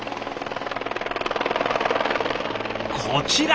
こちら！